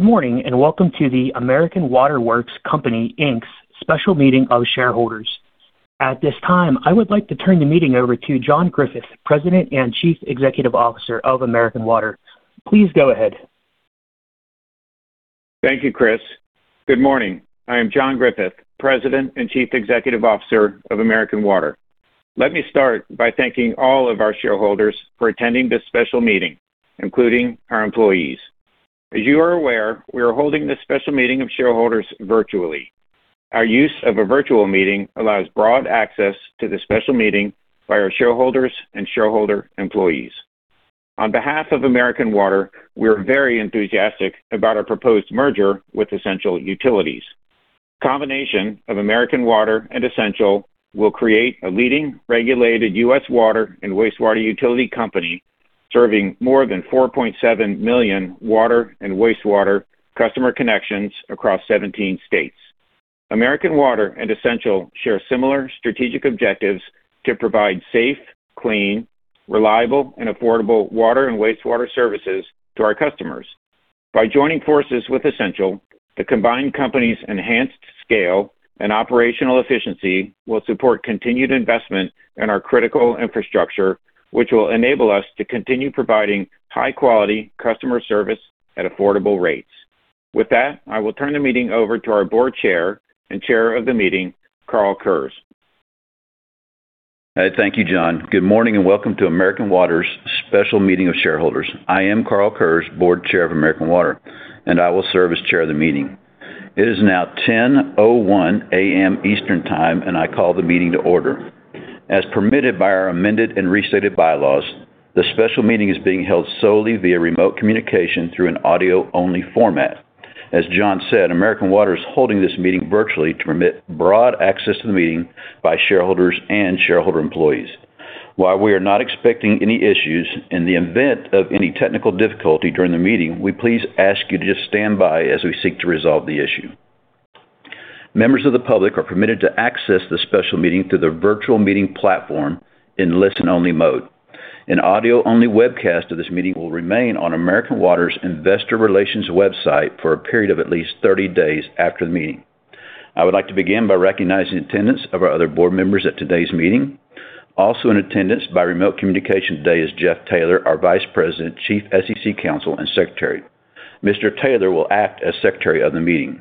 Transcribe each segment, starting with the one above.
Good morning and welcome to the American Water Works Company, Inc.'s special meeting of shareholders. At this time, I would like to turn the meeting over to John Griffith, President and Chief Executive Officer of American Water. Please go ahead. Thank you, Chris. Good morning. I am John Griffith, President and Chief Executive Officer of American Water. Let me start by thanking all of our shareholders for attending this special meeting, including our employees. As you are aware, we are holding this special meeting of shareholders virtually. Our use of a virtual meeting allows broad access to the special meeting by our shareholders and shareholder employees. On behalf of American Water, we are very enthusiastic about our proposed merger with Essential Utilities. A combination of American Water and Essential will create a leading regulated U.S. water and wastewater utility company serving more than 4.7 million water and wastewater customer connections across 17 states. American Water and Essential share similar strategic objectives to provide safe, clean, reliable, and affordable water and wastewater services to our customers. By joining forces with Essential, the combined company's enhanced scale and operational efficiency will support continued investment in our critical infrastructure, which will enable us to continue providing high-quality customer service at affordable rates. With that, I will turn the meeting over to our Board Chair and chair of the meeting, Karl Kurz. Thank you, John. Good morning and welcome to American Water's special meeting of shareholders. I am Karl Kurz, board chair of American Water, and I will serve as chair of the meeting. It is now 10:01 A.M. Eastern Time, and I call the meeting to order. As permitted by our Amended and Restated Bylaws, the special meeting is being held solely via remote communication through an audio-only format. As John said, American Water is holding this meeting virtually to permit broad access to the meeting by shareholders and shareholder employees. While we are not expecting any issues in the event of any technical difficulty during the meeting, we please ask you to just stand by as we seek to resolve the issue. Members of the public are permitted to access the special meeting through the virtual meeting platform in listen-only mode. An audio-only webcast of this meeting will remain on American Water's investor relations website for a period of at least 30 days after the meeting. I would like to begin by recognizing attendance of our other board members at today's meeting. Also in attendance by remote communication today is Jeff Taylor, our Vice President, Chief SEC Counsel, and Secretary. Mr. Taylor will act as secretary of the meeting.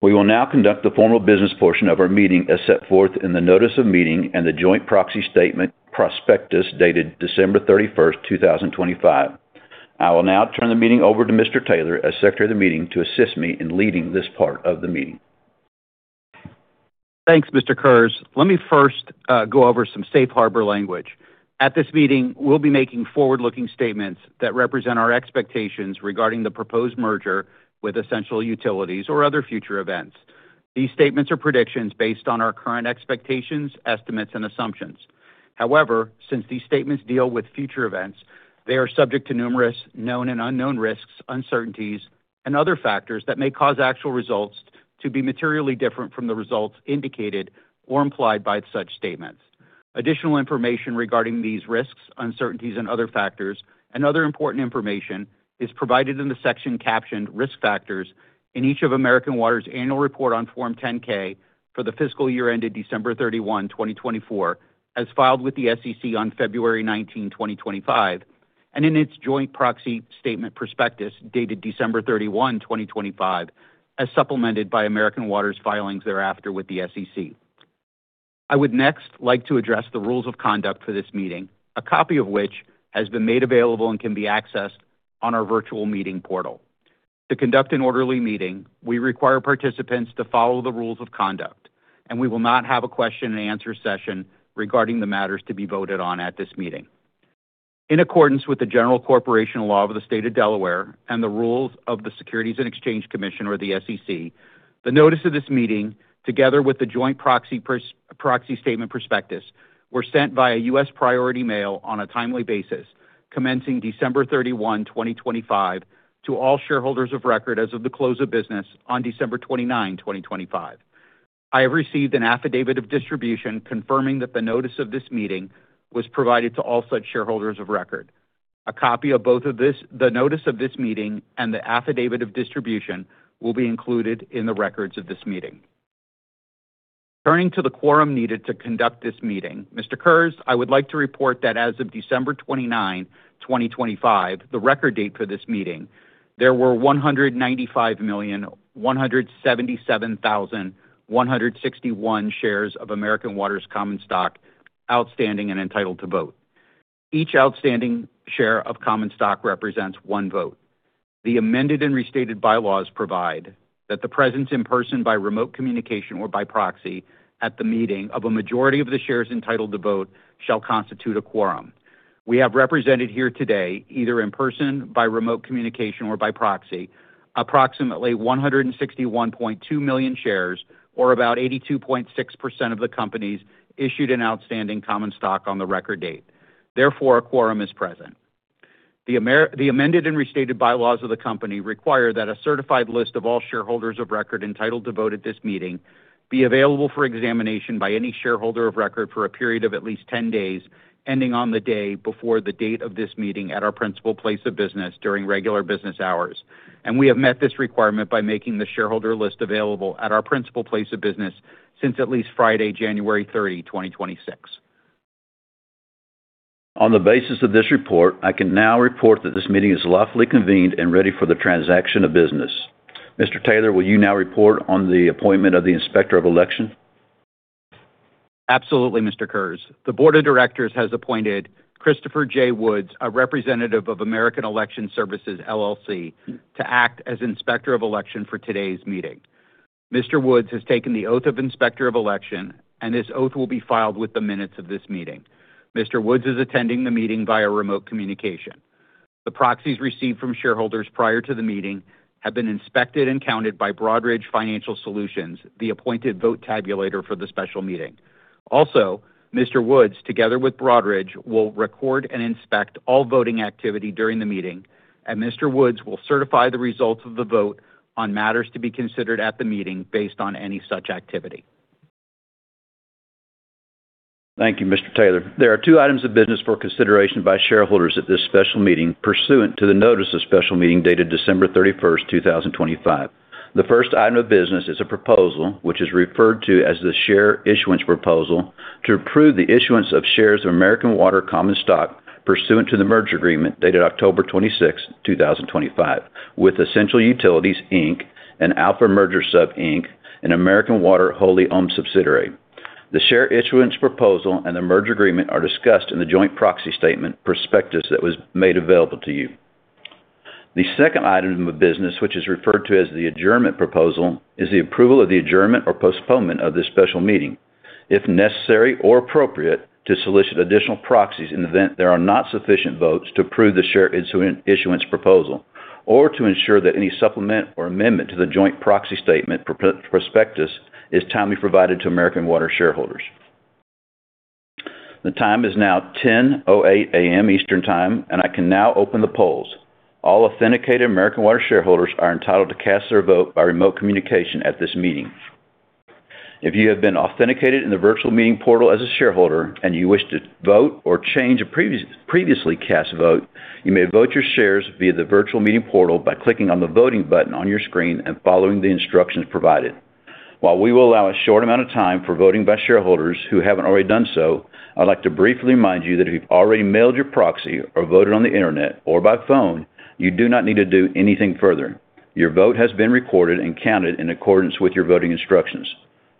We will now conduct the formal business portion of our meeting as set forth in the notice of meeting and the Joint Proxy Statement/Prospectus dated December 31st, 2025. I will now turn the meeting over to Mr. Taylor as secretary of the meeting to assist me in leading this part of the meeting. Thanks, Mr. Kurz. Let me first go over some safe harbor language. At this meeting, we'll be making forward-looking statements that represent our expectations regarding the proposed merger with Essential Utilities or other future events. These statements are predictions based on our current expectations, estimates, and assumptions. However, since these statements deal with future events, they are subject to numerous known and unknown risks, uncertainties, and other factors that may cause actual results to be materially different from the results indicated or implied by such statements. Additional information regarding these risks, uncertainties, and other factors, and other important information is provided in the section captioned "Risk Factors" in each of American Water's annual report on Form 10-K for the fiscal year ended December 31, 2024, as filed with the SEC on February 19, 2025, and in its Joint Proxy Statement/Prospectus dated December 31, 2025, as supplemented by American Water's filings thereafter with the SEC. I would next like to address the rules of conduct for this meeting, a copy of which has been made available and can be accessed on our Virtual Meeting Portal. To conduct an orderly meeting, we require participants to follow the rules of conduct, and we will not have a question-and-answer session regarding the matters to be voted on at this meeting. In accordance with the general corporation law of the state of Delaware and the rules of the Securities and Exchange Commission, or the SEC, the notice of this meeting, together with the Joint Proxy Statement/Prospectus, were sent via U.S. Priority Mail on a timely basis, commencing December 31, 2025, to all shareholders of record as of the close of business on December 29, 2025. I have received an affidavit of distribution confirming that the notice of this meeting was provided to all such shareholders of record. A copy of both the notice of this meeting and the affidavit of distribution will be included in the records of this meeting. Turning to the quorum needed to conduct this meeting, Mr. Chairs, I would like to report that as of December 29, 2025, the Record Date for this meeting, there were 195,177,161 shares of American Water's common stock outstanding and entitled to vote. Each outstanding share of common stock represents one vote. The Amended and Restated Bylaws provide that the presence in person by remote communication or by proxy at the meeting of a majority of the shares entitled to vote shall constitute a Quorum. We have represented here today, either in person, by remote communication, or by proxy, approximately 161.2 million shares or about 82.6% of the company's issued and outstanding common stock on the Record Date. Therefore, a Quorum is present. The Amended and Restated Bylaws of the company require that a certified list of all shareholders of record entitled to vote at this meeting be available for examination by any shareholder of record for a period of at least 10 days, ending on the day before the date of this meeting at our principal place of business during regular business hours. We have met this requirement by making the shareholder list available at our principal place of business since at least Friday, January 30, 2026. On the basis of this report, I can now report that this meeting is lawfully convened and ready for the transaction of business. Mr. Taylor, will you now report on the appointment of the inspector of election? Absolutely, Mr. Kurz. The board of directors has appointed Christopher J. Woods, a representative of American Election Services, LLC, to act as inspector of election for today's meeting. Mr. Woods has taken the oath of inspector of election, and this oath will be filed with the minutes of this meeting. Mr. Woods is attending the meeting via remote communication. The proxies received from shareholders prior to the meeting have been inspected and counted by Broadridge Financial Solutions, the appointed vote tabulator for the special meeting. Also, Mr. Woods, together with Broadridge, will record and inspect all voting activity during the meeting, and Mr. Woods will certify the results of the vote on matters to be considered at the meeting based on any such activity. Thank you, Mr. Taylor. There are two items of business for consideration by shareholders at this special meeting pursuant to the notice of special meeting dated December 31st, 2025. The first item of business is a proposal, which is referred to as the Share Issuance Proposal, to approve the issuance of shares of American Water common stock pursuant to the merger agreement dated October 26, 2025, with Essential Utilities, Inc., an Alpha Merger Sub, Inc., an American Water wholly-owned subsidiary. The Share Issuance Proposal and the merger agreement are discussed in the Joint Proxy Statement/Prospectus that was made available to you. The second item of business, which is referred to as the Adjournment Proposal, is the approval of the adjournment or postponement of this special meeting, if necessary or appropriate, to solicit additional proxies in the event there are not sufficient votes to approve the Share Issuance Proposal or to ensure that any supplement or amendment to the Joint Proxy Statement/Prospectus is timely provided to American Water shareholders. The time is now 10:08 A.M. Eastern Time, and I can now open the polls. All authenticated American Water shareholders are entitled to cast their vote by remote communication at this meeting. If you have been authenticated in the Virtual Meeting Portal as a shareholder and you wish to vote or change a previously cast vote, you may vote your shares via the Virtual Meeting Portal by clicking on the voting button on your screen and following the instructions provided. While we will allow a short amount of time for voting by shareholders who haven't already done so, I'd like to briefly remind you that if you've already mailed your proxy or voted on the internet or by phone, you do not need to do anything further. Your vote has been recorded and counted in accordance with your voting instructions.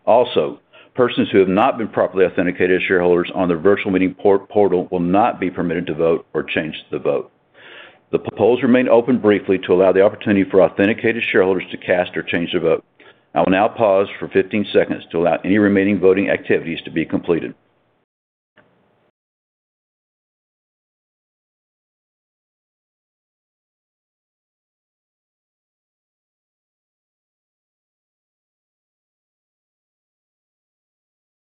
Also, persons who have not been properly authenticated as shareholders on the virtual meeting portal will not be permitted to vote or change the vote. The polls remain open briefly to allow the opportunity for authenticated shareholders to cast or change their vote. I will now pause for 15 seconds to allow any remaining voting activities to be completed.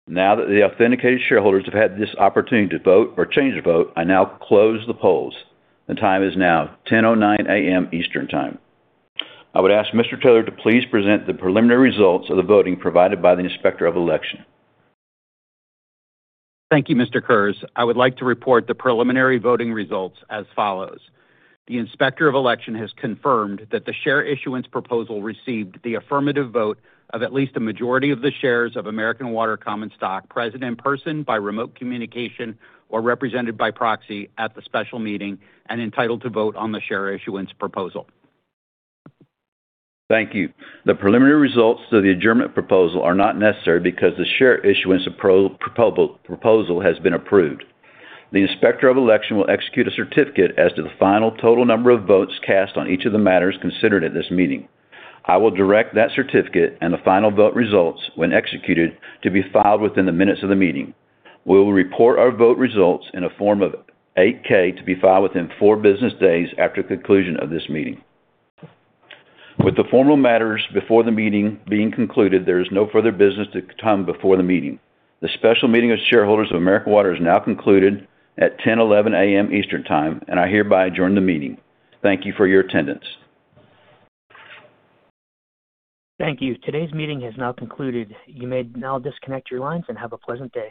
Now that the authenticated shareholders have had this opportunity to vote or change their vote, I now close the polls. The time is now 10:09 A.M. Eastern Time. I would ask Mr. Taylor to please present the preliminary results of the voting provided by the Inspector of Election. Thank you, Mr. Kurz. I would like to report the preliminary voting results as follows. The Inspector of Election has confirmed that the Share Issuance Proposal received the affirmative vote of at least a majority of the shares of American Water common stock present in person by remote communication or represented by proxy at the special meeting and entitled to vote on the Share Issuance Proposal. Thank you. The preliminary results of the Adjournment Proposal are not necessary because the Share Issuance Proposal has been approved. The Inspector of Election will execute a certificate as to the final total number of votes cast on each of the matters considered at this meeting. I will direct that certificate and the final vote results, when executed, to be filed within the minutes of the meeting. We will report our vote results in a Form 8-K to be filed within four business days after conclusion of this meeting. With the formal matters before the meeting being concluded, there is no further business to come before the meeting. The special meeting of shareholders of American Water is now concluded at 10:11 A.M. Eastern Time, and I hereby adjourn the meeting. Thank you for your attendance. Thank you. Today's meeting has now concluded. You may now disconnect your lines and have a pleasant day.